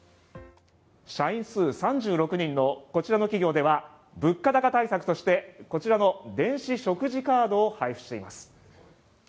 社員数３６人のこちらの企業では物価高対策として、こちらの電子食事カードを配布しています。